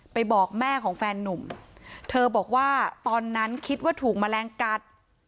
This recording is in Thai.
บอกแม่ของแฟนนุ่มเธอบอกว่าตอนนั้นคิดว่าถูกแมลงกัด